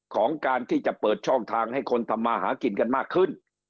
ของการที่จะเปิดช่องทางให้คนทำมาหากินกันมากขึ้น